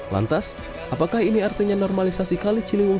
lantas apakah ini artinya normalisasi kali ciliwung